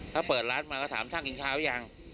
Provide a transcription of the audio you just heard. เขาเปิดร้านมาก็ถามช่างกินเช้ายัง